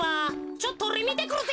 ちょっとおれみてくるぜ。